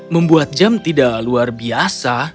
membuat jam tidak luar biasa